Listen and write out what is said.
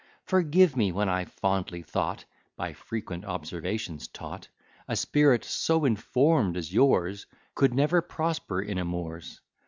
Forgive me, when I fondly thought (By frequent observations taught) A spirit so inform'd as yours Could never prosper in amours.